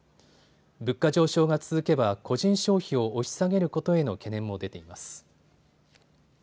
物価上昇が続けば個人消費を押し下げることへの懸念も出ています。